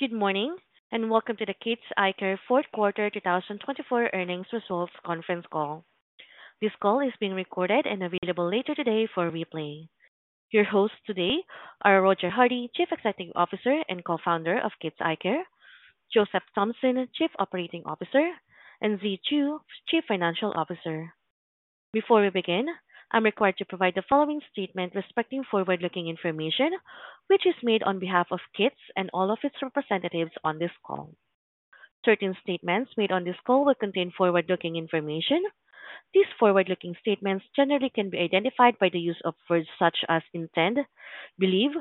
Good morning and welcome to the KITS Eyecare Fourth Quarter 2024 Earnings Results Conference Call. This call is being recorded and available later today for replay. Your hosts today are Roger Hardy, Chief Executive Officer and Co-founder of KITS Eyecare, Joseph Thompson, Chief Operating Officer, and Zhe Choo, Chief Financial Officer. Before we begin, I'm required to provide the following statement respecting forward-looking information, which is made on behalf of KITS and all of its representatives on this call. Certain statements made on this call will contain forward-looking information. These forward-looking statements generally can be identified by the use of words such as intend, believe,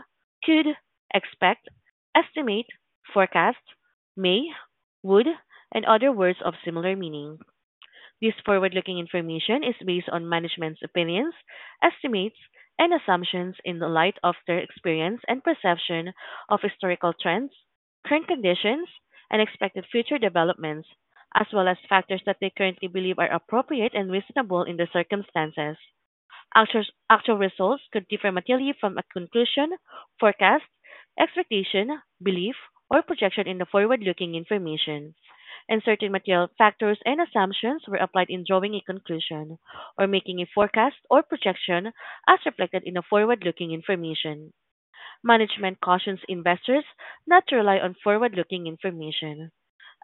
could, expect, estimate, forecast, may, would, and other words of similar meaning. This forward-looking information is based on management's opinions, estimates, and assumptions in the light of their experience and perception of historical trends, current conditions, and expected future developments, as well as factors that they currently believe are appropriate and reasonable in their circumstances. Actual results could differ materially from a conclusion, forecast, expectation, belief, or projection in the forward-looking information. Certain material factors and assumptions were applied in drawing a conclusion or making a forecast or projection as reflected in the forward-looking information. Management cautions investors not to rely on forward-looking information.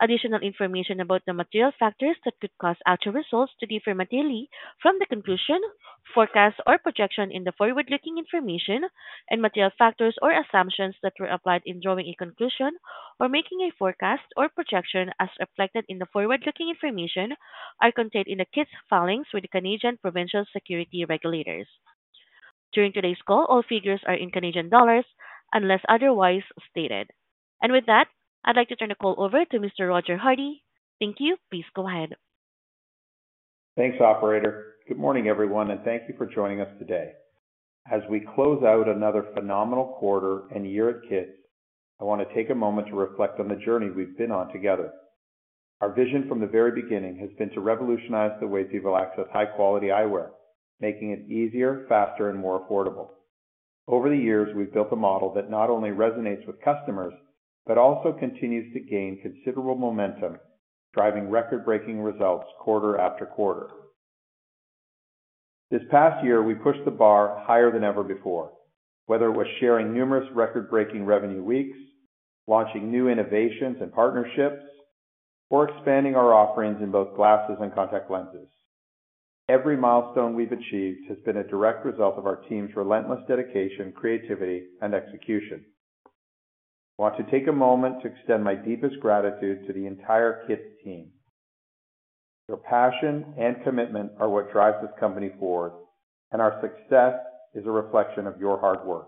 Additional information about the material factors that could cause actual results to differ materially from the conclusion, forecast, or projection in the forward-looking information, and material factors or assumptions that were applied in drawing a conclusion or making a forecast or projection as reflected in the forward-looking information are contained in the KITS Eyecare filings with the Canadian provincial security regulators. During today's call, all figures are in CAD unless otherwise stated. With that, I'd like to turn the call over to Mr. Roger Hardy. Thank you. Please go ahead. Thanks, Operator. Good morning, everyone, and thank you for joining us today. As we close out another phenomenal quarter and year at KITS Eyecare, I want to take a moment to reflect on the journey we've been on together. Our vision from the very beginning has been to revolutionize the way people access high-quality eyewear, making it easier, faster, and more affordable. Over the years, we've built a model that not only resonates with customers but also continues to gain considerable momentum, driving record-breaking results quarter after quarter. This past year, we pushed the bar higher than ever before, whether it was sharing numerous record-breaking revenue weeks, launching new innovations and partnerships, or expanding our offerings in both glasses and contact lenses. Every milestone we've achieved has been a direct result of our team's relentless dedication, creativity, and execution. I want to take a moment to extend my deepest gratitude to the entire KITS team. Your passion and commitment are what drive this company forward, and our success is a reflection of your hard work.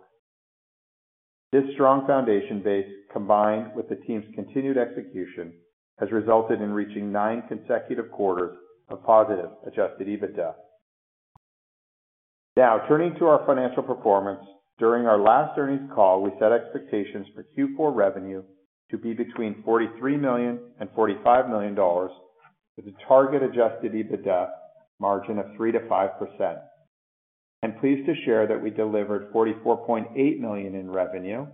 This strong foundation base, combined with the team's continued execution, has resulted in reaching nine consecutive quarters of positive adjusted EBITDA. Now, turning to our financial performance, during our last earnings call, we set expectations for Q4 revenue to be between 43 million and 45 million dollars, with a target adjusted EBITDA margin of 3%-5%. I'm pleased to share that we delivered 44.8 million in revenue,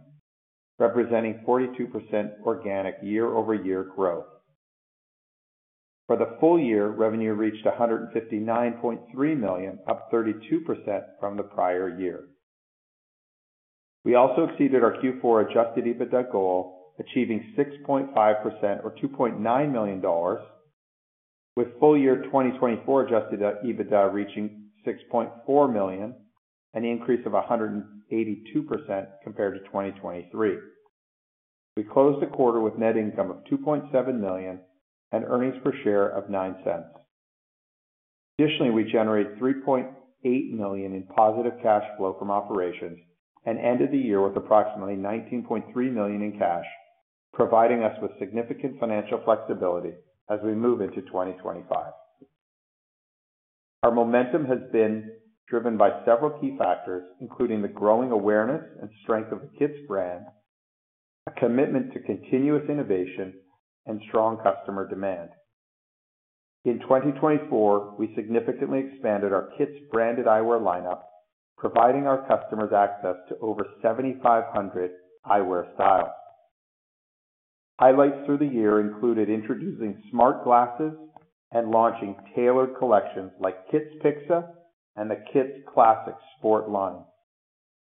representing 42% organic year-over-year growth. For the full year, revenue reached 159.3 million, up 32% from the prior year. We also exceeded our Q4 adjusted EBITDA goal, achieving 6.5% or 2.9 million dollars, with full year 2024 adjusted EBITDA reaching 6.4 million and an increase of 182% compared to 2023. We closed the quarter with net income of 2.7 million and earnings per share of 0.9. Additionally, we generated 3.8 million in positive cash flow from operations and ended the year with approximately 19.3 million in cash, providing us with significant financial flexibility as we move into 2025. Our momentum has been driven by several key factors, including the growing awareness and strength of the KITS brand, a commitment to continuous innovation, and strong customer demand. In 2024, we significantly expanded our KITS branded eyewear lineup, providing our customers access to over 7,500 eyewear styles. Highlights through the year included introducing smart glasses and launching tailored collections like KITS Pixa and the KITS Classic Sport line,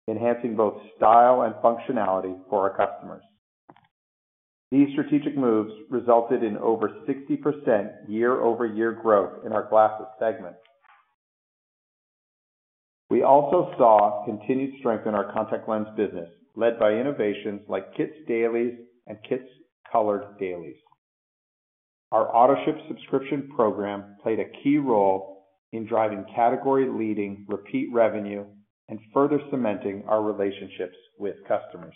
enhancing both style and functionality for our customers. These strategic moves resulted in over 60% year-over-year growth in our glasses segment. We also saw continued strength in our contact lens business, led by innovations like KITS Dailies and KITS Colored Dailies. Our auto-ship subscription program played a key role in driving category-leading repeat revenue and further cementing our relationships with customers.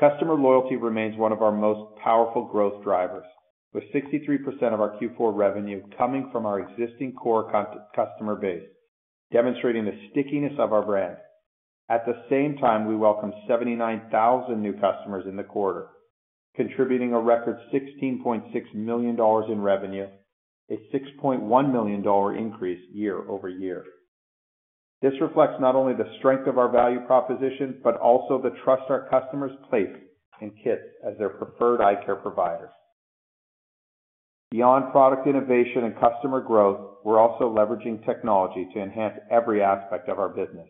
Customer loyalty remains one of our most powerful growth drivers, with 63% of our Q4 revenue coming from our existing core customer base, demonstrating the stickiness of our brand. At the same time, we welcomed 79,000 new customers in the quarter, contributing a record 16.6 million dollars in revenue, a 6.1 million dollar increase year-over-year. This reflects not only the strength of our value proposition but also the trust our customers place in KITS as their preferred eyecare provider. Beyond product innovation and customer growth, we're also leveraging technology to enhance every aspect of our business.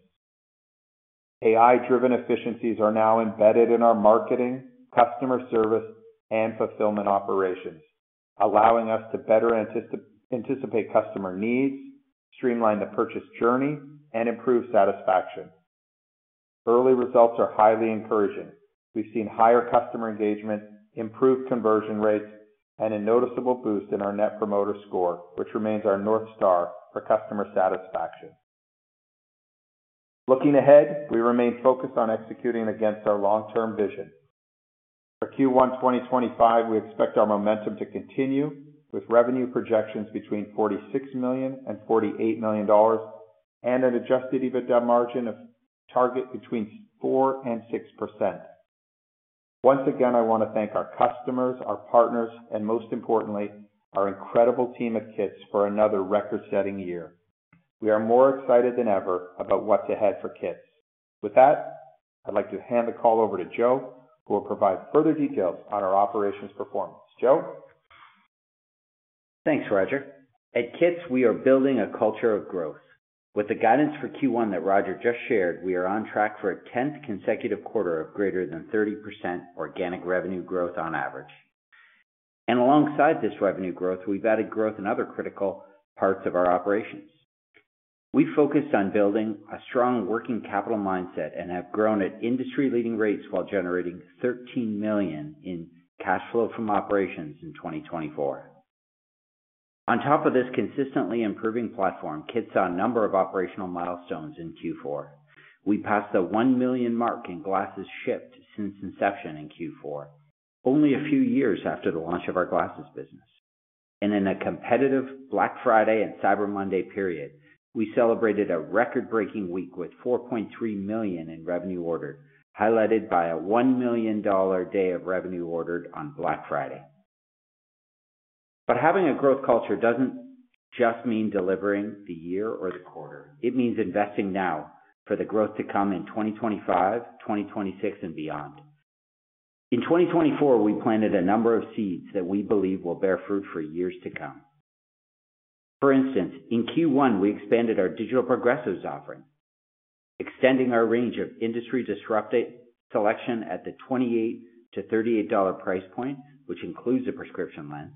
AI-driven efficiencies are now embedded in our marketing, customer service, and fulfillment operations, allowing us to better anticipate customer needs, streamline the purchase journey, and improve satisfaction. Early results are highly encouraging. We've seen higher customer engagement, improved conversion rates, and a noticeable boost in our Net Promoter Score, which remains our North Star for customer satisfaction. Looking ahead, we remain focused on executing against our long-term vision. For Q1 2025, we expect our momentum to continue, with revenue projections between 46 million and 48 million dollars and an adjusted EBITDA margin of target between 4% and 6%. Once again, I want to thank our customers, our partners, and most importantly, our incredible team at KITS for another record-setting year. We are more excited than ever about what's ahead for KITS. With that, I'd like to hand the call over to Joe, who will provide further details on our operations performance. Joe? Thanks, Roger. At KITS, we are building a culture of growth. With the guidance for Q1 that Roger just shared, we are on track for a 10th consecutive quarter of greater than 30% organic revenue growth on average. Alongside this revenue growth, we've added growth in other critical parts of our operations. We've focused on building a strong working capital mindset and have grown at industry-leading rates while generating 13 million in cash flow from operations in 2024. On top of this consistently improving platform, KITS saw a number of operational milestones in Q4. We passed the 1 million mark in glasses shipped since inception in Q4, only a few years after the launch of our glasses business. In a competitive Black Friday and Cyber Monday period, we celebrated a record-breaking week with 4.3 million in revenue ordered, highlighted by a 1 million dollar day of revenue ordered on Black Friday. Having a growth culture does not just mean delivering the year or the quarter. It means investing now for the growth to come in 2025, 2026, and beyond. In 2024, we planted a number of seeds that we believe will bear fruit for years to come. For instance, in Q1, we expanded our digital progressives offering, extending our range of industry-disruptive selection at the 28-38 dollar price point, which includes a prescription lens.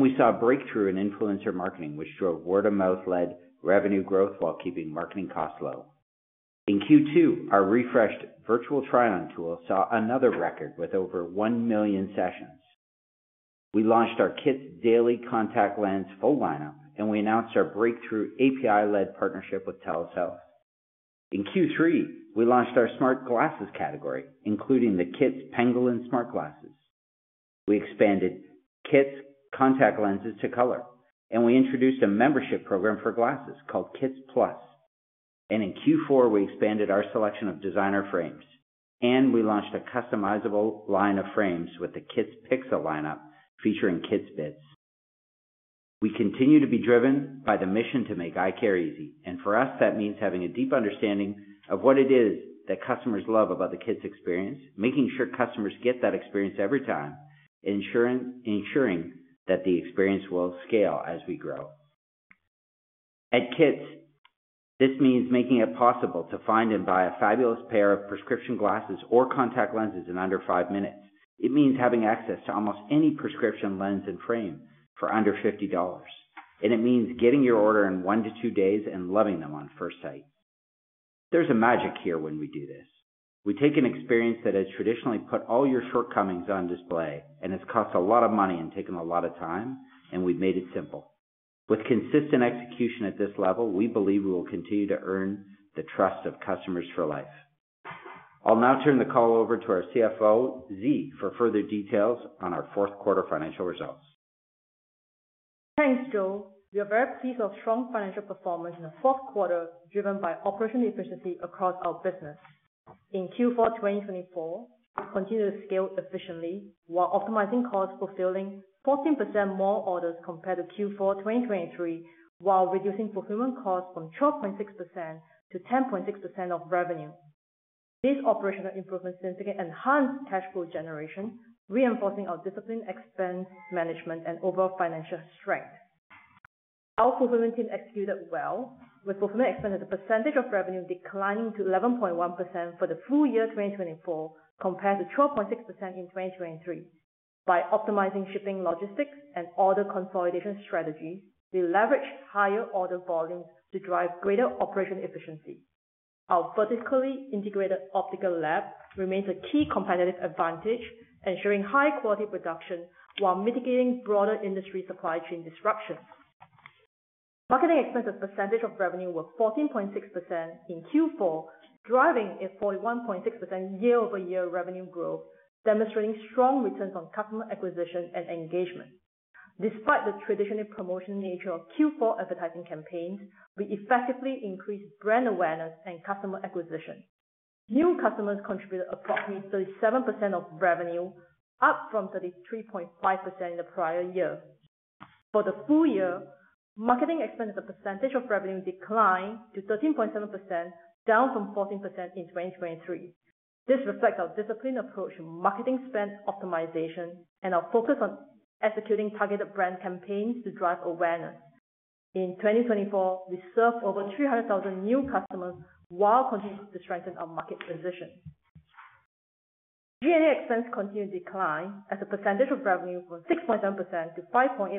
We saw a breakthrough in influencer marketing, which drove word-of-mouth-led revenue growth while keeping marketing costs low. In Q2, our refreshed virtual try-on tool saw another record with over 1 million sessions. We launched our KITS Daily Contact Lens full lineup, and we announced our breakthrough API-led partnership with TELUS Health. In Q3, we launched our smart glasses category, including the KITS Penguin Smart Glasses. We expanded KITS Contact Lenses to color, and we introduced a membership program for glasses called KITS Plus. In Q4, we expanded our selection of designer frames, and we launched a customizable line of frames with the KITS Pixa lineup featuring KITS Bits. We continue to be driven by the mission to make eyecare easy, and for us, that means having a deep understanding of what it is that customers love about the KITS experience, making sure customers get that experience every time, ensuring that the experience will scale as we grow. At KITS, this means making it possible to find and buy a fabulous pair of prescription glasses or contact lenses in under five minutes. It means having access to almost any prescription lens and frame for under 50 dollars, and it means getting your order in one to two days and loving them on first sight. There's a magic here when we do this. We take an experience that has traditionally put all your shortcomings on display and has cost a lot of money and taken a lot of time, and we've made it simple. With consistent execution at this level, we believe we will continue to earn the trust of customers for life. I'll now turn the call over to our CFO, Zhe, for further details on our fourth quarter financial results. Thanks, Joe. We are very pleased with our strong financial performance in the fourth quarter, driven by operational efficiency across our business. In Q4 2024, we continued to scale efficiently while optimizing costs, fulfilling 14% more orders compared to Q4 2023, while reducing fulfillment costs from 12.6% -10.6% of revenue. This operational improvement significantly enhanced cash flow generation, reinforcing our disciplined expense management and overall financial strength. Our fulfillment team executed well, with fulfillment expenses as a percentage of revenue declining to 11.1% for the full year 2024 compared to 12.6% in 2023. By optimizing shipping logistics and order consolidation strategies, we leveraged higher order volumes to drive greater operational efficiency. Our vertically integrated optical lab remains a key competitive advantage, ensuring high-quality production while mitigating broader industry supply chain disruptions. Marketing expenses as a percentage of revenue were 14.6% in Q4, driving a 41.6% year-over-year revenue growth, demonstrating strong returns on customer acquisition and engagement. Despite the traditionally promotional nature of Q4 advertising campaigns, we effectively increased brand awareness and customer acquisition. New customers contributed approximately 37% of revenue, up from 33.5% in the prior year. For the full year, marketing expenses as a percentage of revenue declined to 13.7%, down from 14% in 2023. This reflects our disciplined approach to marketing spend optimization and our focus on executing targeted brand campaigns to drive awareness. In 2024, we served over 300,000 new customers while continuing to strengthen our market position. G&A expenses continued to decline as a percentage of revenue went from 6.7%-5.8%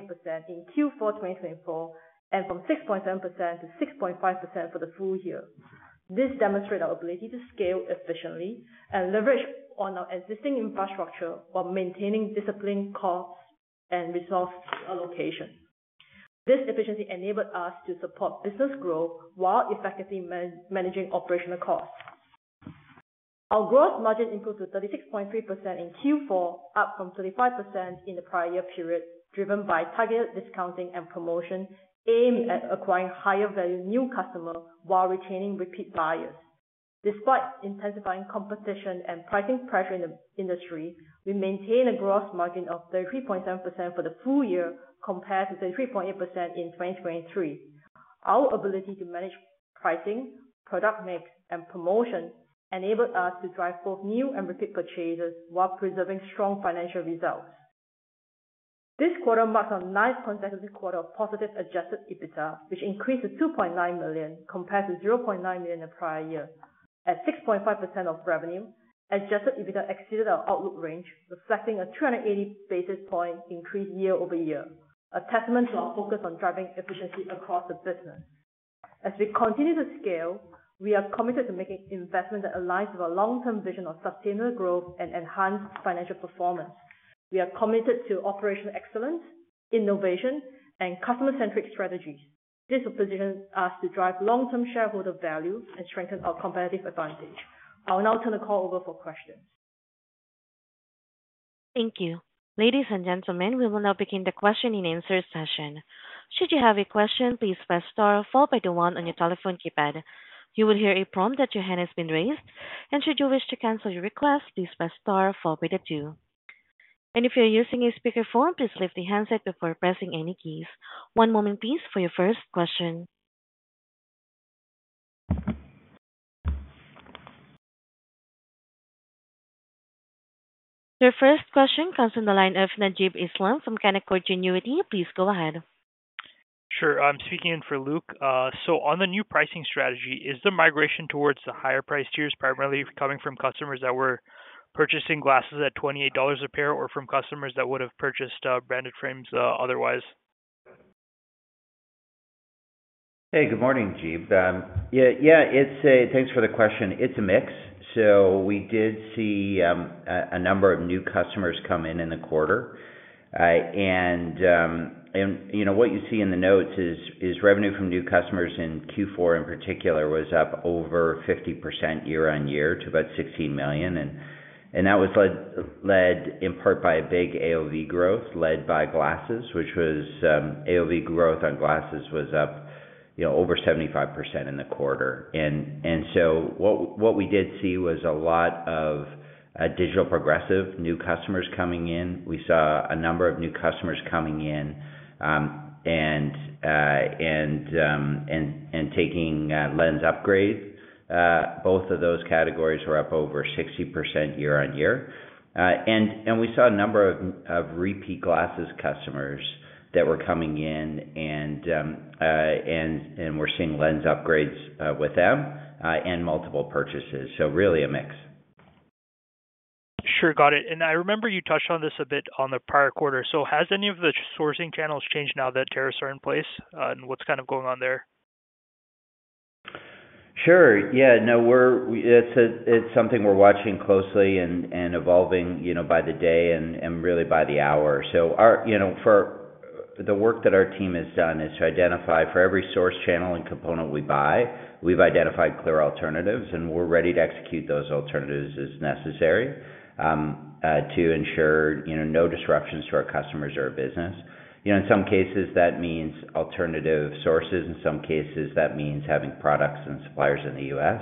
in Q4 2024 and from 6.7% -6.5% for the full year. This demonstrates our ability to scale efficiently and leverage on our existing infrastructure while maintaining disciplined costs and resource allocation. This efficiency enabled us to support business growth while effectively managing operational costs. Our gross margin improved to 36.3% in Q4, up from 35% in the prior year period, driven by targeted discounting and promotion aimed at acquiring higher-value new customers while retaining repeat buyers. Despite intensifying competition and pricing pressure in the industry, we maintained a gross margin of 33.7% for the full year compared to 33.8% in 2023. Our ability to manage pricing, product mix, and promotion enabled us to drive both new and repeat purchases while preserving strong financial results. This quarter marks our ninth consecutive quarter of positive adjusted EBITDA, which increased to 2.9 million compared to 0.9 million in the prior year. At 6.5% of revenue, adjusted EBITDA exceeded our outlook range, reflecting a 380 basis point increase year-over-year, a testament to our focus on driving efficiency across the business. As we continue to scale, we are committed to making investments that align with our long-term vision of sustainable growth and enhanced financial performance. We are committed to operational excellence, innovation, and customer-centric strategies. This will position us to drive long-term shareholder value and strengthen our competitive advantage. I'll now turn the call over for questions. Thank you. Ladies and gentlemen, we will now begin the question and answer session. Should you have a question, please press * four on your telephone keypad. You will hear a prompt that your hand has been raised. Should you wish to cancel your request, please press * four too. If you're using a speakerphone, please lift the handset before pressing any keys. One moment, please, for your first question. Your first question comes from the line of Najib Islam from Canaccord Genuity. Please go ahead. Sure. I'm speaking in for Luke. On the new pricing strategy, is the migration towards the higher price tiers primarily coming from customers that were purchasing glasses at 28 dollars a pair or from customers that would have purchased branded frames otherwise? Hey, good morning, Najib. Yeah, yeah, thanks for the question. It's a mix. We did see a number of new customers come in in the quarter. What you see in the notes is revenue from new customers in Q4 in particular was up over 50% year-on-year to about 16 million. That was led in part by a big AOV growth led by glasses, which was AOV growth on glasses was up over 75% in the quarter. What we did see was a lot of digital progressive new customers coming in. We saw a number of new customers coming in and taking lens upgrades. Both of those categories were up over 60% year-on-year. We saw a number of repeat glasses customers that were coming in, and we're seeing lens upgrades with them and multiple purchases. Really a mix. Sure, got it. I remember you touched on this a bit on the prior quarter. Has any of the sourcing channels changed now that tariffs are in place? What's kind of going on there? Sure. Yeah, no, it's something we're watching closely and evolving by the day and really by the hour. For the work that our team has done is to identify for every source channel and component we buy, we've identified clear alternatives, and we're ready to execute those alternatives as necessary to ensure no disruptions to our customers or our business. In some cases, that means alternative sources. In some cases, that means having products and suppliers in the U.S.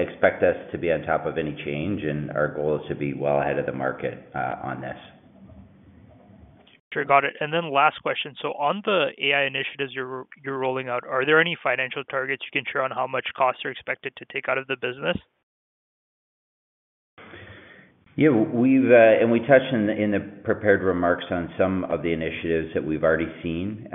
Expect us to be on top of any change, and our goal is to be well ahead of the market on this. Sure, got it. Last question. On the AI initiatives you're rolling out, are there any financial targets you can share on how much costs are expected to take out of the business? Yeah, we touched in the prepared remarks on some of the initiatives that we've already seen.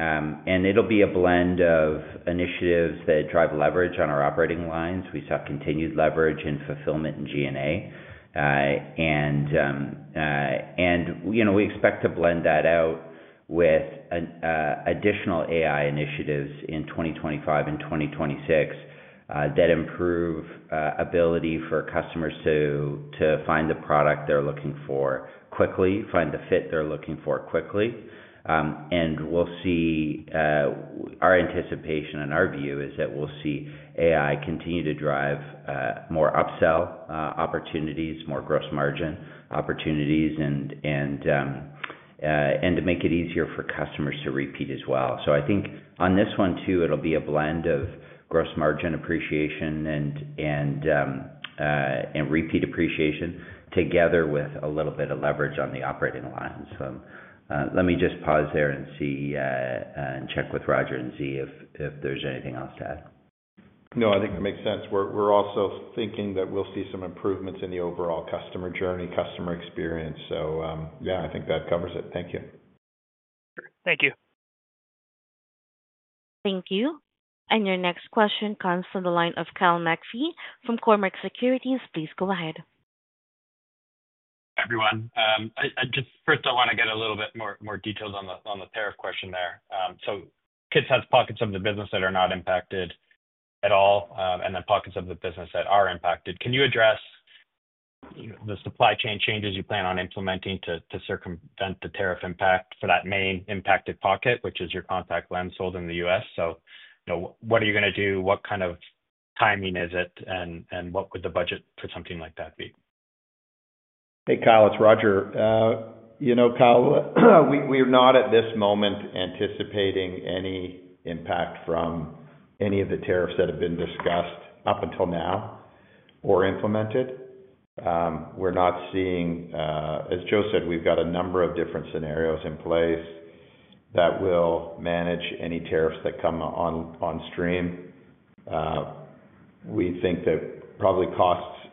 It'll be a blend of initiatives that drive leverage on our operating lines. We saw continued leverage in fulfillment and G&A. We expect to blend that out with additional AI initiatives in 2025 and 2026 that improve ability for customers to find the product they're looking for quickly, find the fit they're looking for quickly. We see our anticipation and our view is that we'll see AI continue to drive more upsell opportunities, more gross margin opportunities, and to make it easier for customers to repeat as well. I think on this one too, it'll be a blend of gross margin appreciation and repeat appreciation together with a little bit of leverage on the operating lines. Let me just pause there and check with Roger and Zhe if there's anything else to add. No, I think that makes sense. We're also thinking that we'll see some improvements in the overall customer journey, customer experience. Yeah, I think that covers it. Thank you. Thank you. Thank you. Your next question comes from the line of Kyle McPhee from Cormark Securities. Please go ahead. Hi, everyone. Just first, I want to get a little bit more details on the tariff question there. KITS has pockets of the business that are not impacted at all and then pockets of the business that are impacted. Can you address the supply chain changes you plan on implementing to circumvent the tariff impact for that main impacted pocket, which is your contact lens sold in the U.S.? What are you going to do? What kind of timing is it? What would the budget for something like that be? Hey, Kyle, it's Roger. You know, Kyle, we're not at this moment anticipating any impact from any of the tariffs that have been discussed up until now or implemented. We're not seeing, as Joe said, we've got a number of different scenarios in place that will manage any tariffs that come on stream. We think that probably costs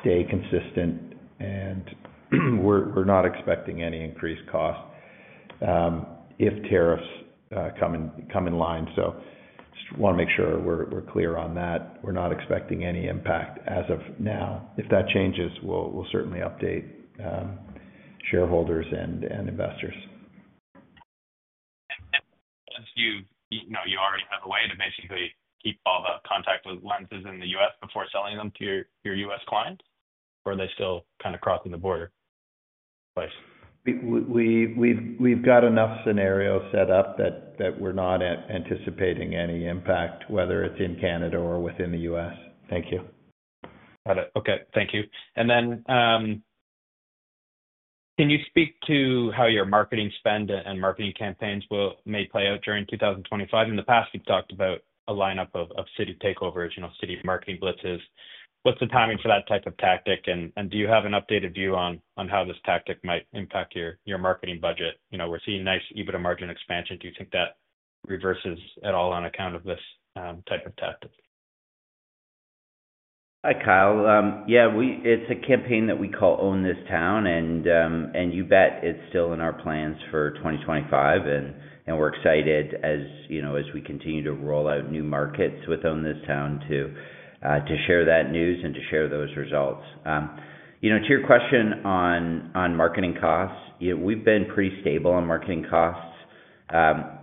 stay consistent, and we're not expecting any increased costs if tariffs come in line. Just want to make sure we're clear on that. We're not expecting any impact as of now. If that changes, we'll certainly update shareholders and investors. Do you already have a way to basically keep all the contact lenses in the U.S. before selling them to your U.S. clients? Or are they still kind of crossing the border? We've got enough scenarios set up that we're not anticipating any impact, whether it's in Canada or within the U.S. Thank you. Got it. Okay. Thank you. Can you speak to how your marketing spend and marketing campaigns may play out during 2025? In the past, we've talked about a lineup of city takeovers, city marketing blitzes. What's the timing for that type of tactic? Do you have an updated view on how this tactic might impact your marketing budget? We're seeing nice EBITDA margin expansion. Do you think that reverses at all on account of this type of tactic? Hi, Kyle. Yeah, it's a campaign that we call Own This Town, and you bet it's still in our plans for 2025. We are excited as we continue to roll out new markets with Own This Town to share that news and to share those results. To your question on marketing costs, we've been pretty stable on marketing costs.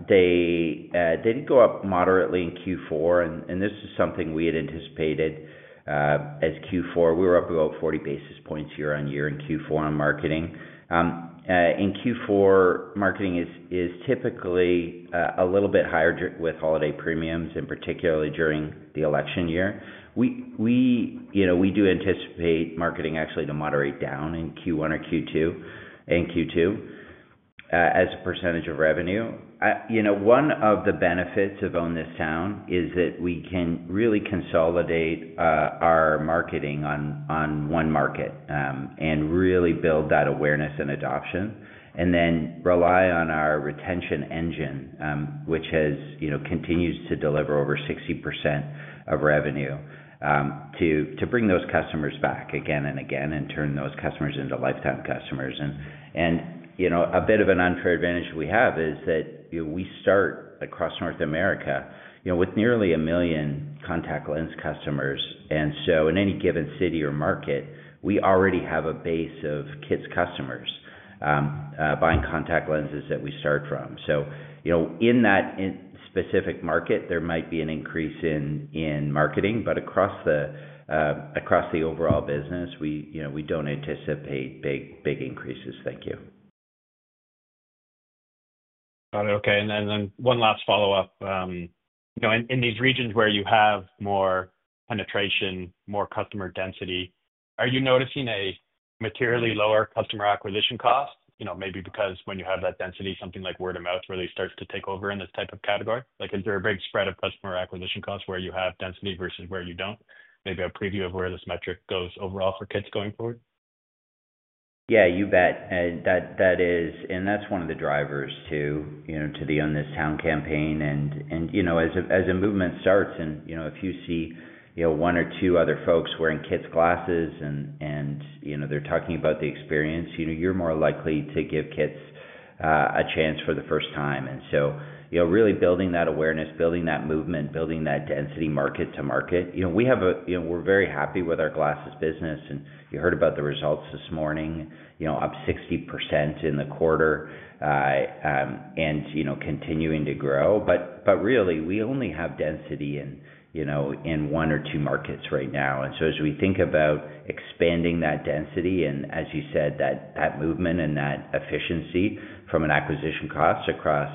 They did go up moderately in Q4, and this is something we had anticipated as Q4. We were up about 40 basis points year-on-year in Q4 on marketing. In Q4, marketing is typically a little bit higher with holiday premiums, and particularly during the election year. We do anticipate marketing actually to moderate down in Q1 or Q2 and Q2 as a percentage of revenue. One of the benefits of Own This Town is that we can really consolidate our marketing on one market and really build that awareness and adoption, and then rely on our retention engine, which continues to deliver over 60% of revenue, to bring those customers back again and again and turn those customers into lifetime customers. A bit of an unfair advantage we have is that we start across North America with nearly 1 million contact lens customers. In any given city or market, we already have a base of KITS customers buying contact lenses that we start from. In that specific market, there might be an increase in marketing, but across the overall business, we do not anticipate big increases. Thank you. Got it. Okay. And then one last follow-up. In these regions where you have more penetration, more customer density, are you noticing a materially lower customer acquisition cost, maybe because when you have that density, something like word of mouth really starts to take over in this type of category? Is there a big spread of customer acquisition costs where you have density versus where you do not? Maybe a preview of where this metric goes overall for KITS going forward? You bet. That is one of the drivers to the Own This Town campaign. As a movement starts, if you see one or two other folks wearing KITS glasses and they are talking about the experience, you are more likely to give KITS a chance for the first time. Really building that awareness, building that movement, building that density market to market. We are very happy with our glasses business. You heard about the results this morning, up 60% in the quarter and continuing to grow. Really, we only have density in one or two markets right now. As we think about expanding that density and, as you said, that movement and that efficiency from an acquisition cost across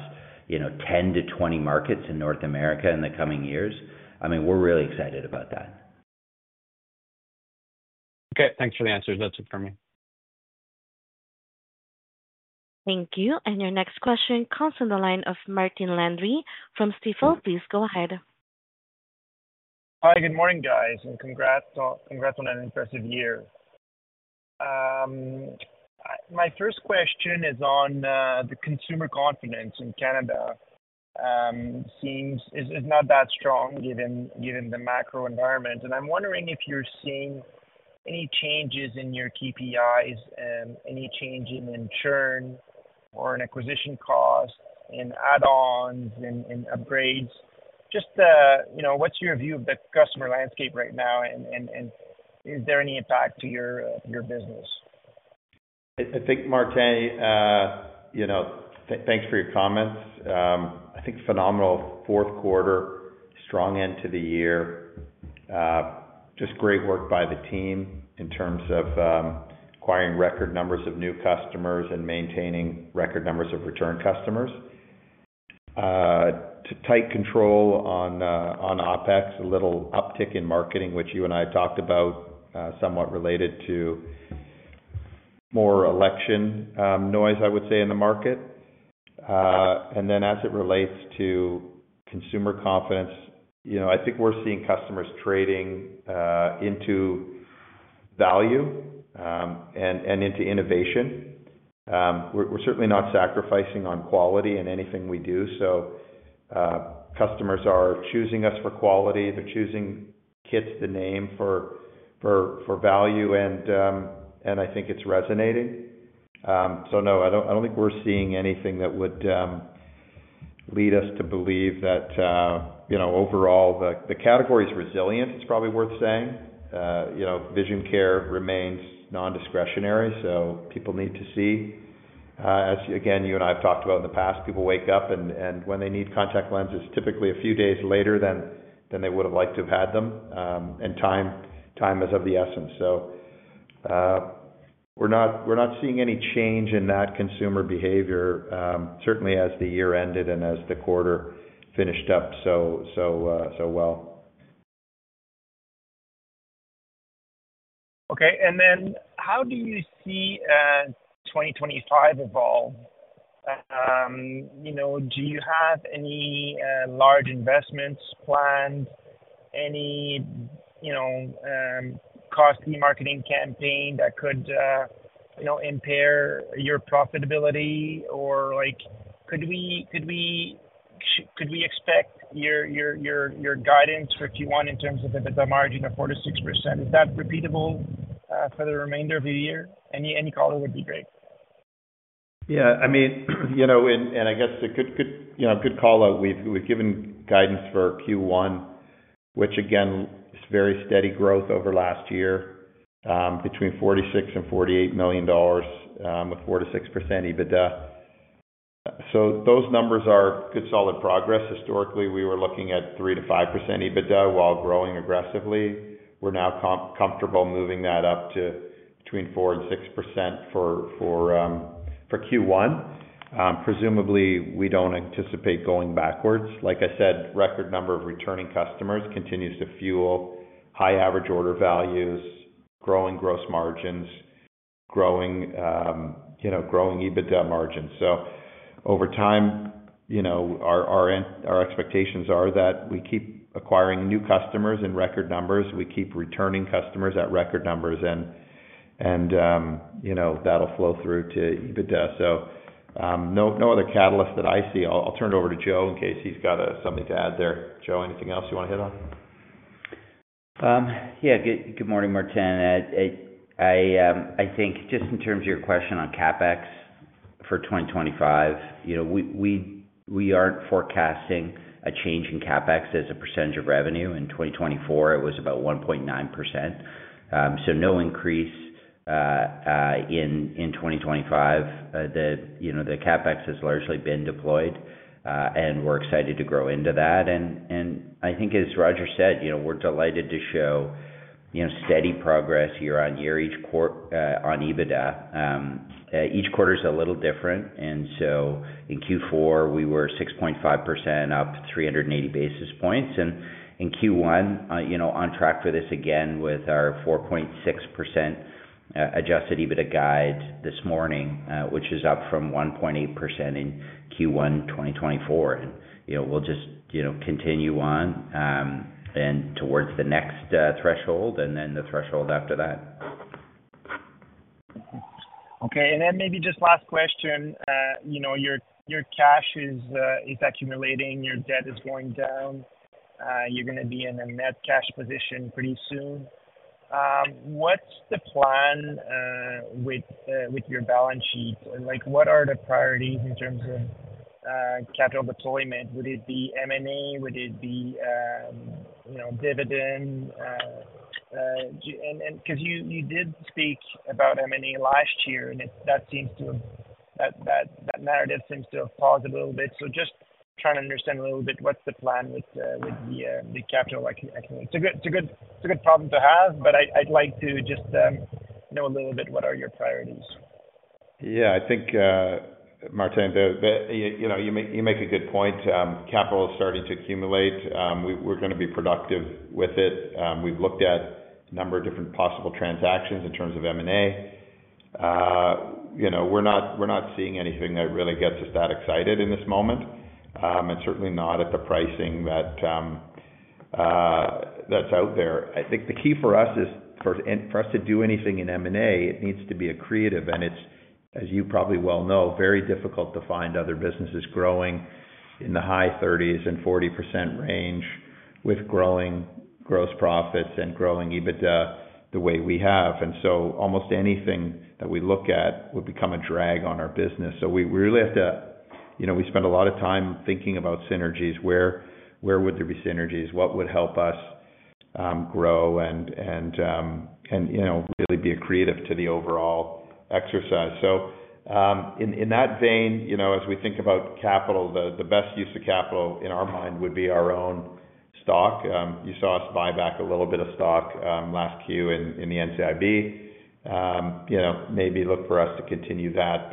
10-20 markets in North America in the coming years, I mean, we are really excited about that. Okay. Thanks for the answers. That's it for me. Thank you. Your next question comes from the line of Martin Landry from Stifel. Please go ahead. Hi, good morning, guys. Congrats on an impressive year. My first question is on the consumer confidence in Canada. It seems it's not that strong given the macro environment. I'm wondering if you're seeing any changes in your KPIs, any change in churn or in acquisition costs, in add-ons, in upgrades. Just what's your view of the customer landscape right now, and is there any impact to your business? I think, Martin, thanks for your comments. I think phenomenal fourth quarter, strong end to the year. Just great work by the team in terms of acquiring record numbers of new customers and maintaining record numbers of return customers. Tight control on OPEX, a little uptick in marketing, which you and I talked about, somewhat related to more election noise, I would say, in the market. As it relates to consumer confidence, I think we're seeing customers trading into value and into innovation. We're certainly not sacrificing on quality in anything we do. Customers are choosing us for quality. They're choosing KITS, the name, for value. I think it's resonating. No, I don't think we're seeing anything that would lead us to believe that overall, the category is resilient, it's probably worth saying. Vision care remains non-discretionary, so people need to see. You and I have talked about in the past, people wake up, and when they need contact lenses, typically a few days later than they would have liked to have had them. Time is of the essence. We're not seeing any change in that consumer behavior, certainly as the year ended and as the quarter finished up so well. Okay. How do you see 2025 evolve? Do you have any large investments planned, any costly marketing campaign that could impair your profitability? Could we expect your guidance, if you want, in terms of the margin of 46%? Is that repeatable for the remainder of the year? Any color would be great. Yeah. I mean, and I guess a good call-out, we've given guidance for Q1, which, again, is very steady growth over last year between 46 million and 48 million dollars with 46% EBITDA. Those numbers are good solid progress. Historically, we were looking at 3-5% EBITDA while growing aggressively. We're now comfortable moving that up to between 4-6% for Q1. Presumably, we don't anticipate going backwards. Like I said, record number of returning customers continues to fuel high average order values, growing gross margins, growing EBITDA margins. Over time, our expectations are that we keep acquiring new customers in record numbers. We keep returning customers at record numbers, and that'll flow through to EBITDA. No other catalyst that I see. I'll turn it over to Joe in case he's got something to add there. Joe, anything else you want to hit on? Yeah. Good morning, Martin. I think just in terms of your question on CapEx for 2025, we aren't forecasting a change in CapEx as a percentage of revenue. In 2024, it was about 1.9%. No increase in 2025. The CapEx has largely been deployed, and we're excited to grow into that. I think, as Roger said, we're delighted to show steady progress year-on-year on EBITDA. Each quarter is a little different. In Q4, we were 6.5%, up 380 basis points. In Q1, on track for this again with our 4.6% adjusted EBITDA guide this morning, which is up from 1.8% in Q1 2024. We'll just continue on towards the next threshold and then the threshold after that. Okay. Maybe just last question. Your cash is accumulating, your debt is going down. You're going to be in a net cash position pretty soon. What's the plan with your balance sheet? What are the priorities in terms of capital deployment? Would it be M&A? Would it be dividend? Because you did speak about M&A last year, and that narrative seems to have paused a little bit. Just trying to understand a little bit what's the plan with the capital acumen. It's a good problem to have, but I'd like to just know a little bit what are your priorities. Yeah. I think, Martin, you make a good point. Capital is starting to accumulate. We're going to be productive with it. We've looked at a number of different possible transactions in terms of M&A. We're not seeing anything that really gets us that excited in this moment, and certainly not at the pricing that's out there. I think the key for us is for us to do anything in M&A, it needs to be accretive. It is, as you probably well know, very difficult to find other businesses growing in the high 30%-40% range with growing gross profits and growing EBITDA the way we have. Almost anything that we look at would become a drag on our business. We really have to spend a lot of time thinking about synergies. Where would there be synergies? What would help us grow and really be accretive to the overall exercise? In that vein, as we think about capital, the best use of capital in our mind would be our own stock. You saw us buy back a little bit of stock last Q in the NCIB. Maybe look for us to continue that.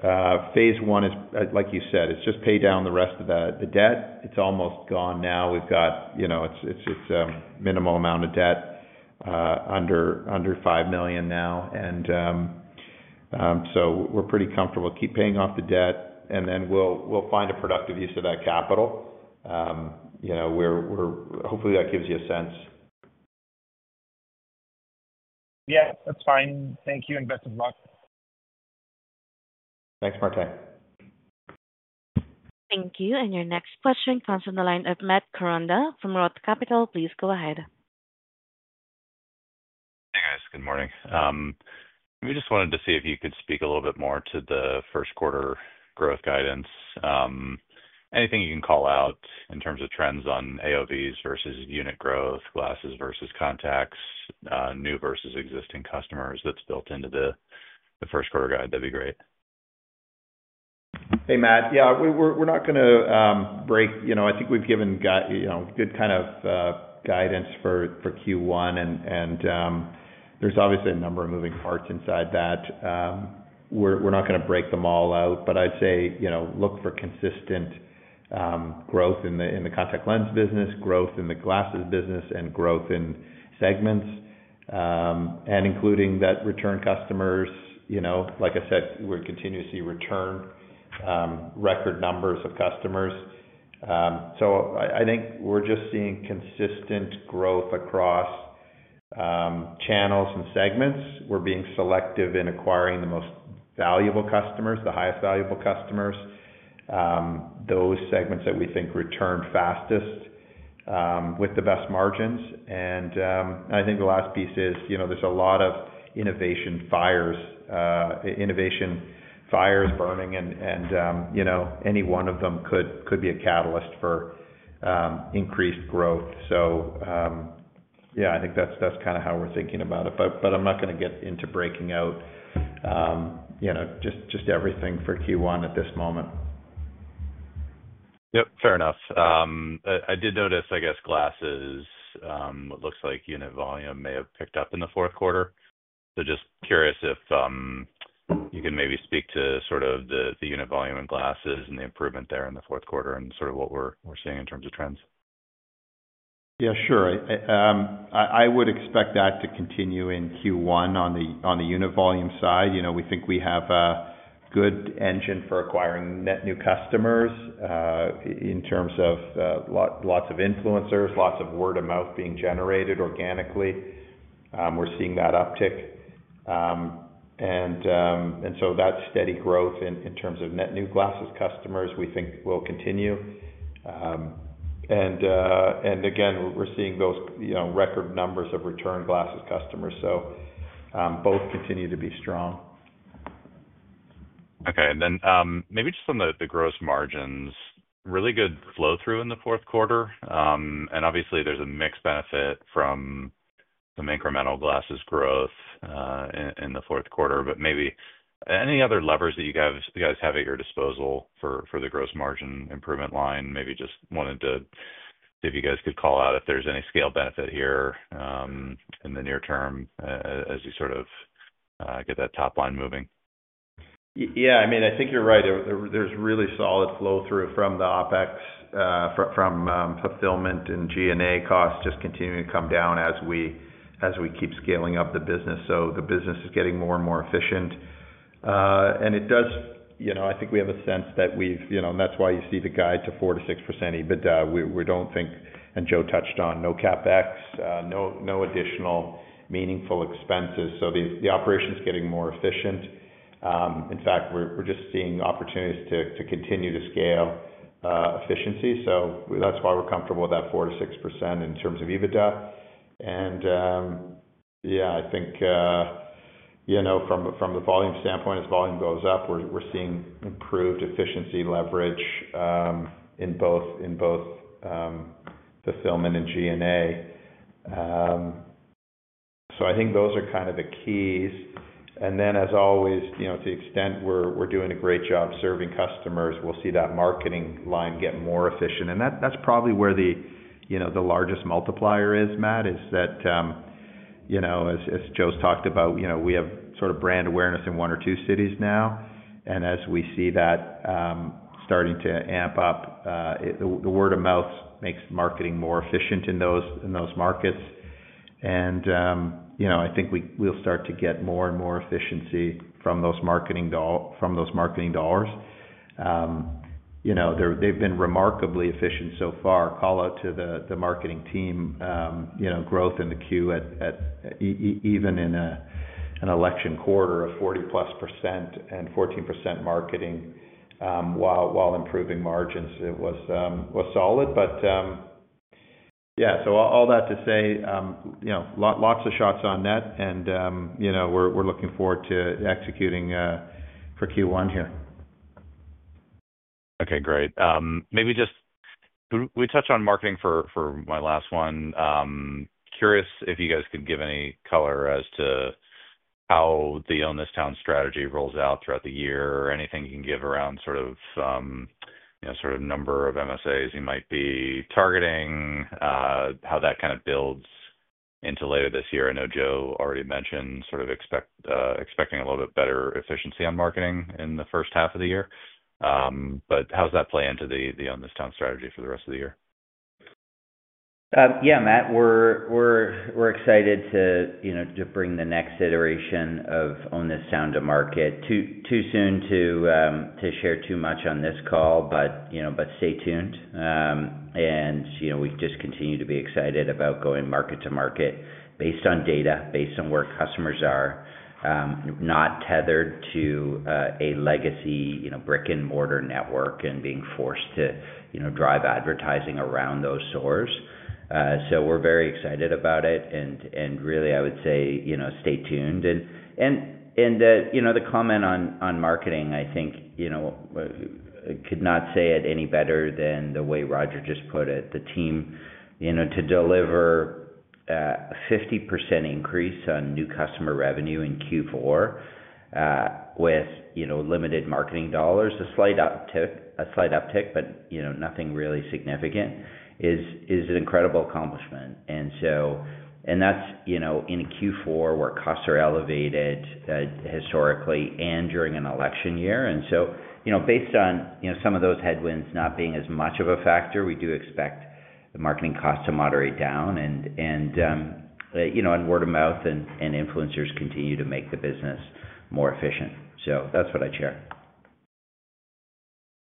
Phase one is, like you said, it's just pay down the rest of the debt. It's almost gone now. We've got a minimal amount of debt under 5 million now. We are pretty comfortable keep paying off the debt, and then we'll find a productive use of that capital. Hopefully, that gives you a sense. Yeah. That's fine. Thank you and best of luck. Thanks, Martin. Thank you. Your next question comes from the line of Matt Koranda from ROTH Capital Partners. Please go ahead. Hey, guys. Good morning. We just wanted to see if you could speak a little bit more to the first quarter growth guidance. Anything you can call out in terms of trends on AOVs versus unit growth, glasses versus contacts, new versus existing customers that's built into the first quarter guide, that'd be great. Hey, Matt. Yeah. We're not going to break, I think we've given good kind of guidance for Q1, and there's obviously a number of moving parts inside that. We're not going to break them all out, but I'd say look for consistent growth in the contact lens business, growth in the glasses business, and growth in segments, and including that return customers. Like I said, we're continuously returning record numbers of customers. I think we're just seeing consistent growth across channels and segments. We're being selective in acquiring the most valuable customers, the highest valuable customers, those segments that we think return fastest with the best margins. I think the last piece is there's a lot of innovation fires burning, and any one of them could be a catalyst for increased growth. Yeah, I think that's kind of how we're thinking about it. I'm not going to get into breaking out just everything for Q1 at this moment. Yep. Fair enough. I did notice, I guess, glasses, it looks like unit volume may have picked up in the fourth quarter. Just curious if you can maybe speak to sort of the unit volume in glasses and the improvement there in the fourth quarter and sort of what we're seeing in terms of trends. Yeah, sure. I would expect that to continue in Q1 on the unit volume side. We think we have a good engine for acquiring net new customers in terms of lots of influencers, lots of word of mouth being generated organically. We are seeing that uptick. That steady growth in terms of net new glasses customers, we think will continue. We are seeing those record numbers of return glasses customers. Both continue to be strong. Okay. Maybe just on the gross margins, really good flow-through in the fourth quarter. Obviously, there's a mixed benefit from some incremental glasses growth in the fourth quarter. Maybe any other levers that you guys have at your disposal for the gross margin improvement line? Maybe just wanted to see if you guys could call out if there's any scale benefit here in the near term as you sort of get that top line moving. Yeah. I mean, I think you're right. There's really solid flow-through from the OPEX, from fulfillment and G&A costs just continuing to come down as we keep scaling up the business. The business is getting more and more efficient. It does, I think we have a sense that we've—and that's why you see the guide to 4-6% EBITDA. We don't think—and Joe touched on—no CapEx, no additional meaningful expenses. The operation's getting more efficient. In fact, we're just seeing opportunities to continue to scale efficiency. That's why we're comfortable with that 4-6% in terms of EBITDA. Yeah, I think from the volume standpoint, as volume goes up, we're seeing improved efficiency leverage in both fulfillment and G&A. I think those are kind of the keys. To the extent we're doing a great job serving customers, we'll see that marketing line get more efficient. That's probably where the largest multiplier is, Matt, is that, as Joe's talked about, we have sort of brand awareness in one or two cities now. As we see that starting to amp up, the word of mouth makes marketing more efficient in those markets. I think we'll start to get more and more efficiency from those marketing dollars. They've been remarkably efficient so far. Call out to the marketing team, growth in the Q, even in an election quarter of 40%+ and 14% marketing while improving margins. It was solid. All that to say, lots of shots on net, and we're looking forward to executing for Q1 here. Okay. Great. Maybe just we touched on marketing for my last one. Curious if you guys could give any color as to how the Own this Town strategy rolls out throughout the year or anything you can give around sort of number of MSAs you might be targeting, how that kind of builds into later this year. I know Joe already mentioned sort of expecting a little bit better efficiency on marketing in the first half of the year. How does that play into the Own this Town strategy for the rest of the year? Yeah, Matt. We're excited to bring the next iteration of Own this Town to market. Too soon to share too much on this call, but stay tuned. We just continue to be excited about going market to market based on data, based on where customers are, not tethered to a legacy brick-and-mortar network and being forced to drive advertising around those stores. We are very excited about it. I would say stay tuned. The comment on marketing, I think, could not say it any better than the way Roger just put it. The team to deliver a 50% increase on new customer revenue in Q4 with limited marketing dollars, a slight uptick, but nothing really significant, is an incredible accomplishment. That is in a Q4 where costs are elevated historically and during an election year. Based on some of those headwinds not being as much of a factor, we do expect the marketing costs to moderate down and word of mouth and influencers continue to make the business more efficient. That's what I'd share.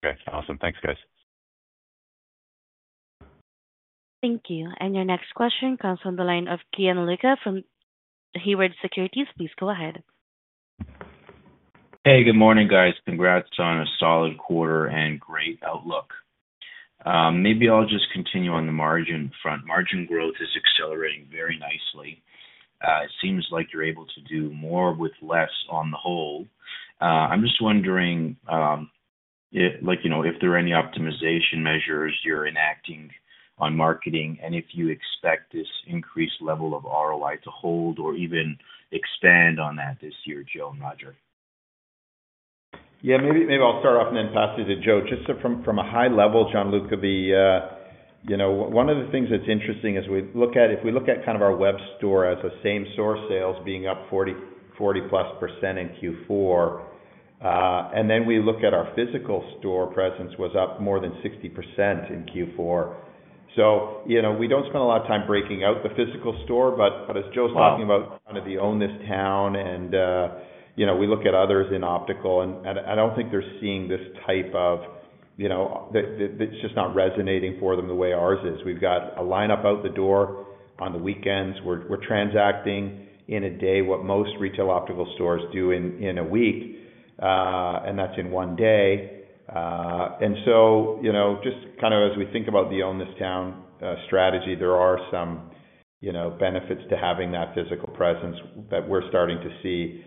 Okay. Awesome. Thanks, guys. Thank you. Your next question comes from the line of Gianluca from Haywood Securities. Please go ahead. Hey, good morning, guys. Congrats on a solid quarter and great outlook. Maybe I'll just continue on the margin front. Margin growth is accelerating very nicely. It seems like you're able to do more with less on the whole. I'm just wondering if there are any optimization measures you're enacting on marketing and if you expect this increased level of ROI to hold or even expand on that this year, Joe and Roger. Yeah. Maybe I'll start off and then pass it to Joe. Just from a high level, Gianluca, one of the things that's interesting is if we look at kind of our web store as a same-store sales being up 40% plus in Q4, and then we look at our physical store presence was up more than 60% in Q4. We do not spend a lot of time breaking out the physical store, but as Joe's talking about kind of the Own this Town, and we look at others in optical, and I do not think they are seeing this type of, it is just not resonating for them the way ours is. We have got a lineup out the door on the weekends. We are transacting in a day what most retail optical stores do in a week, and that is in one day. Just kind of as we think about the Own this Town strategy, there are some benefits to having that physical presence that we're starting to see,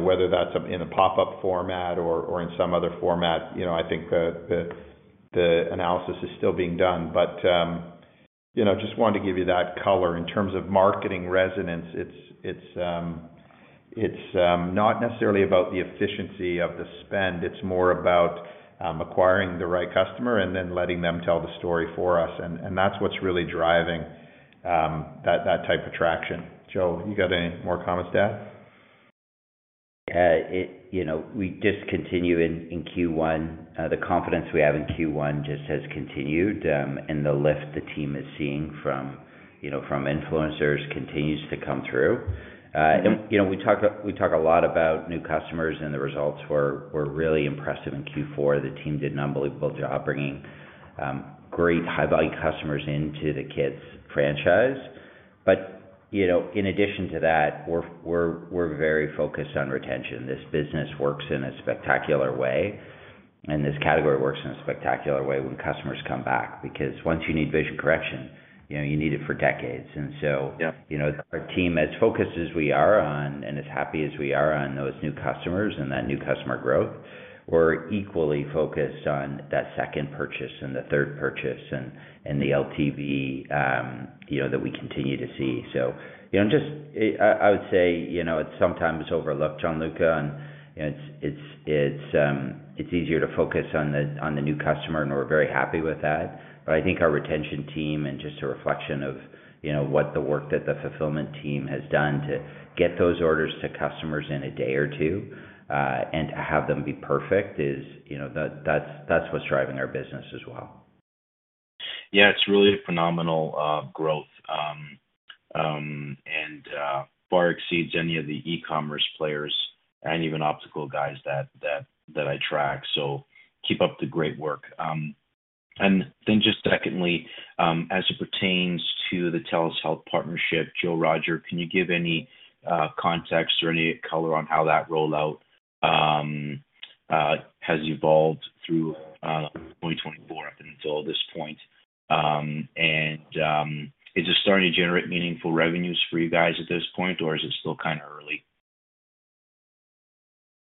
whether that's in a pop-up format or in some other format. I think the analysis is still being done. Just wanted to give you that color in terms of marketing resonance. It's not necessarily about the efficiency of the spend. It's more about acquiring the right customer and then letting them tell the story for us. That's what's really driving that type of traction. Joe, you got any more comments to add? Yeah. We just continue in Q1. The confidence we have in Q1 just has continued, and the lift the team is seeing from influencers continues to come through. We talk a lot about new customers, and the results were really impressive in Q4. The team did an unbelievable job bringing great high-value customers into the KITS franchise. In addition to that, we're very focused on retention. This business works in a spectacular way, and this category works in a spectacular way when customers come back because once you need vision correction, you need it for decades. Our team, as focused as we are on and as happy as we are on those new customers and that new customer growth, we're equally focused on that second purchase and the third purchase and the LTV that we continue to see. I would say it's sometimes overlooked, Gianluca, and it's easier to focus on the new customer, and we're very happy with that. I think our retention team and just a reflection of the work that the fulfillment team has done to get those orders to customers in a day or two and to have them be perfect is that's what's driving our business as well. Yeah. It's really a phenomenal growth and far exceeds any of the e-commerce players and even optical guys that I track. Keep up the great work. Just secondly, as it pertains to the TELUS Health partnership, Joe, Roger, can you give any context or any color on how that rollout has evolved through 2024 up until this point? Is it starting to generate meaningful revenues for you guys at this point, or is it still kind of early?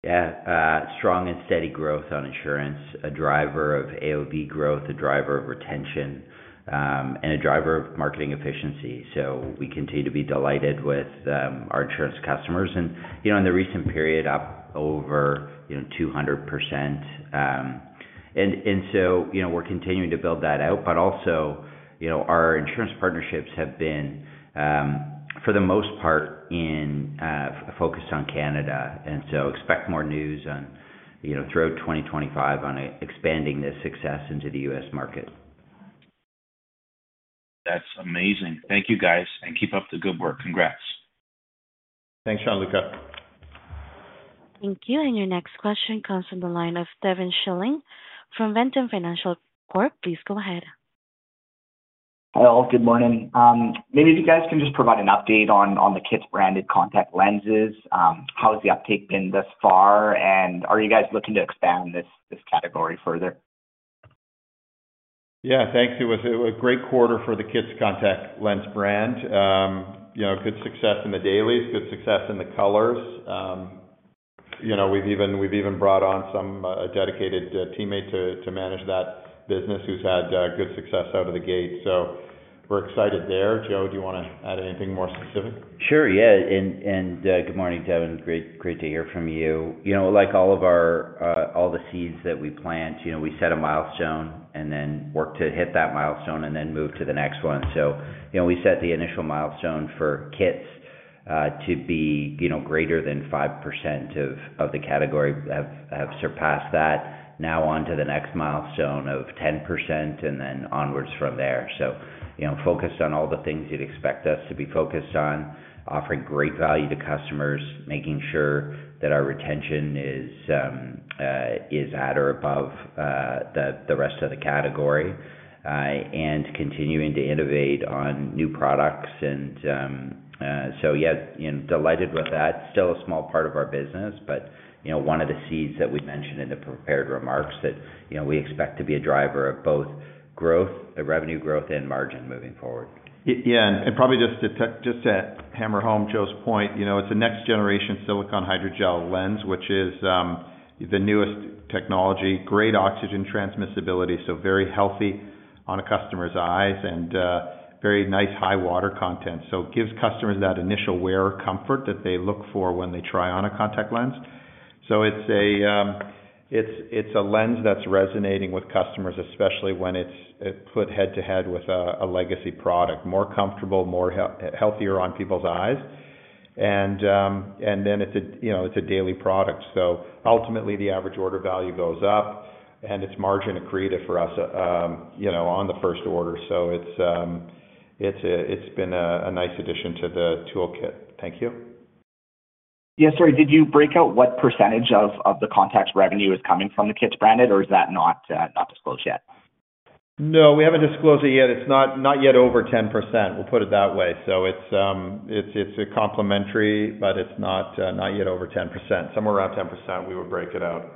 Yeah. Strong and steady growth on insurance, a driver of AOV growth, a driver of retention, and a driver of marketing efficiency. We continue to be delighted with our insurance customers. In the recent period, up over 200%. We are continuing to build that out. Our insurance partnerships have been, for the most part, focused on Canada. Expect more news throughout 2025 on expanding this success into the U.S. market. That's amazing. Thank you, guys. Keep up the good work. Congrats. Thanks, Gianluca. Thank you. Your next question comes from the line of Devin Schilling from Ventum Financial Corp. Please go ahead. Hi, all. Good morning. Maybe if you guys can just provide an update on the KITS branded contact lenses. How has the uptake been thus far? Are you guys looking to expand this category further? Yeah. Thanks. It was a great quarter for the KITS contact lens brand. Good success in the dailies, good success in the colors. We've even brought on some dedicated teammates to manage that business who's had good success out of the gate. So we're excited there. Joe, do you want to add anything more specific? Sure. Yeah. Good morning, Devin. Great to hear from you. Like all of the seeds that we plant, we set a milestone and then work to hit that milestone and then move to the next one. We set the initial milestone for KITS to be greater than 5% of the category, have surpassed that, now on to the next milestone of 10% and then onwards from there. Focused on all the things you'd expect us to be focused on, offering great value to customers, making sure that our retention is at or above the rest of the category, and continuing to innovate on new products. Yeah, delighted with that. Still a small part of our business, but one of the seeds that we mentioned in the prepared remarks that we expect to be a driver of both growth, revenue growth, and margin moving forward. Yeah. Probably just to hammer home Joe's point, it's a next-generation silicone hydrogel lens, which is the newest technology, great oxygen transmissibility, so very healthy on a customer's eyes, and very nice high water content. It gives customers that initial wear comfort that they look for when they try on a contact lens. It's a lens that's resonating with customers, especially when it's put head-to-head with a legacy product, more comfortable, more healthy on people's eyes. It's a daily product. Ultimately, the average order value goes up, and it's margin accretive for us on the first order. It's been a nice addition to the toolkit. Thank you. Yeah. Sorry. Did you break out what percentage of the contact revenue is coming from the KITS branded, or is that not disclosed yet? No. We haven't disclosed it yet. It's not yet over 10%. We'll put it that way. It's a complementary, but it's not yet over 10%. Somewhere around 10%, we would break it out.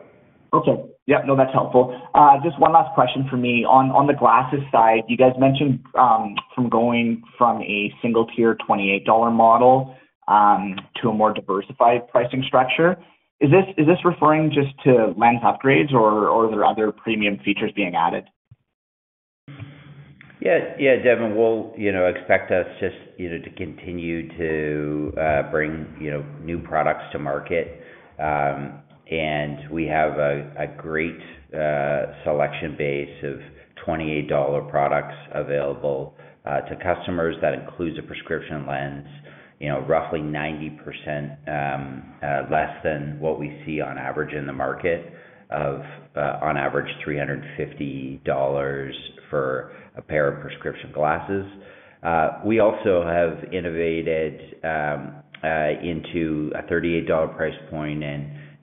Okay. Yeah. No, that's helpful. Just one last question for me. On the glasses side, you guys mentioned going from a single-tier 28 dollar model to a more diversified pricing structure. Is this referring just to lens upgrades, or are there other premium features being added? Yeah. Yeah, Devin, we'll expect us just to continue to bring new products to market. We have a great selection base of 28 dollar products available to customers. That includes a prescription lens, roughly 90% less than what we see on average in the market of, on average, 350 dollars for a pair of prescription glasses. We also have innovated into a 38 dollar price point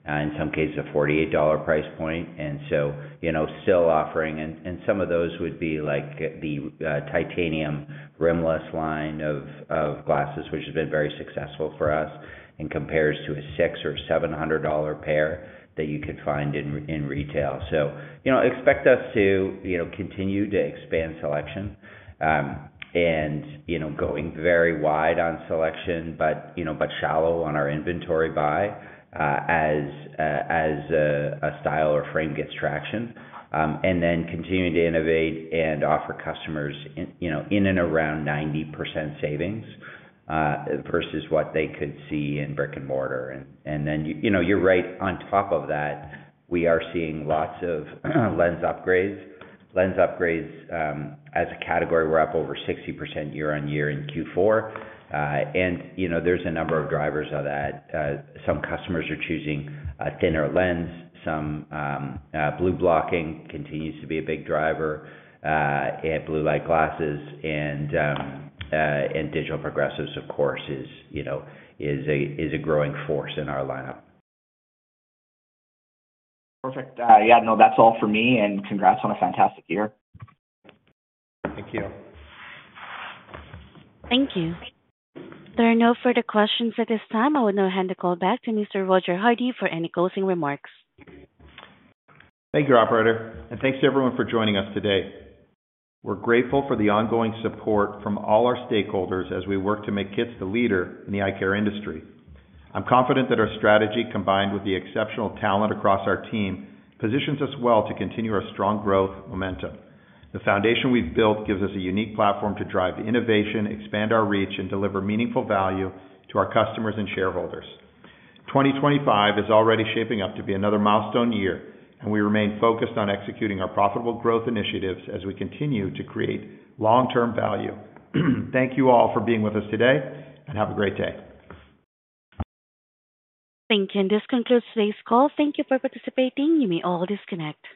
and, in some cases, a 48 dollar price point, still offering. Some of those would be like the titanium rimless line of glasses, which has been very successful for us and compares to a 600-700 dollar pair that you could find in retail. Expect us to continue to expand selection and go very wide on selection but shallow on our inventory buy as a style or frame gets traction, and then continuing to innovate and offer customers in and around 90% savings versus what they could see in brick and mortar. You're right. On top of that, we are seeing lots of lens upgrades. Lens upgrades as a category, we're up over 60% year on year in Q4. There are a number of drivers of that. Some customers are choosing a thinner lens. Some blue blocking continues to be a big driver at blue light glasses. Digital progressives, of course, is a growing force in our lineup. Perfect. Yeah. No, that's all for me. And congrats on a fantastic year. Thank you. Thank you. There are no further questions at this time. I will now hand the call back to Mr. Roger Hardy for any closing remarks. Thank you, Operator. Thank you to everyone for joining us today. We are grateful for the ongoing support from all our stakeholders as we work to make KITS the leader in the eye care industry. I am confident that our strategy, combined with the exceptional talent across our team, positions us well to continue our strong growth momentum. The foundation we have built gives us a unique platform to drive innovation, expand our reach, and deliver meaningful value to our customers and shareholders. 2025 is already shaping up to be another milestone year, and we remain focused on executing our profitable growth initiatives as we continue to create long-term value. Thank you all for being with us today, and have a great day. Thank you. This concludes today's call. Thank you for participating. You may all disconnect.